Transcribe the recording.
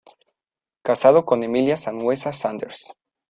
Casado con "Emilia Sanhueza Sanders".